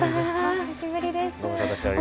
お久しぶりです。